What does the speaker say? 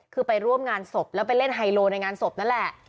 คือไปร่วมงานศพแล้วไปเล่นไฮโลในงานศพนั่นแหละ